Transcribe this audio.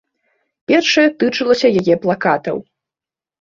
Першае тычылася яе плакатаў.